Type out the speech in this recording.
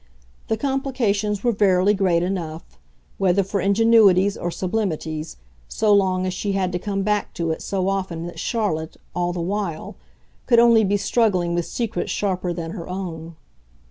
The complications were verily great enough, whether for ingenuities or sublimities, so long as she had to come back to it so often that Charlotte, all the while, could only be struggling with secrets sharper than her own.